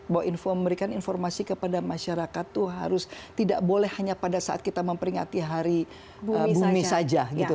bahwa memberikan informasi kepada masyarakat itu harus tidak boleh hanya pada saat kita memperingati hari bumi saja gitu